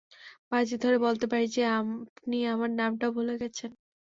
বাজি ধরে বলতে পারি যে আপনি আমার নামটাও ভুলে গেছেন!